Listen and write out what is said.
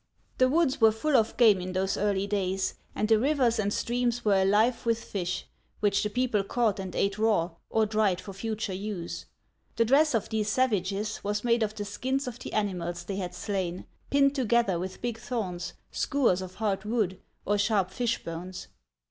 The woods were full of game in those early days, and the rivers and streams were alive with fish, which the people caught and ate raw, or dried for future use. The dress of these savages was made of the skins of the ani mals they had slain, pinned together with big thorns, skewers of hard wood, or sharp fishbones.